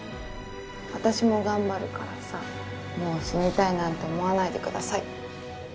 私も頑張るからさ、もう死にたいなんて思わないでください。